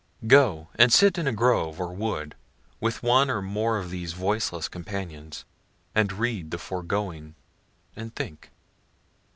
Go and sit in a grove or woods, with one or more of those voiceless companions, and read the foregoing, and think.